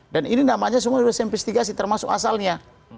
dan ini namanya semua sudah saya investigasi termasuk asalnya